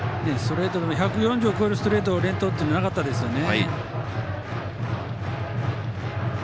１４０キロを超えるストレートを連投というのはなかったですよね。